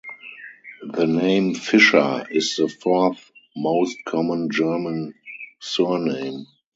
The name Fischer is the fourth most common German surname.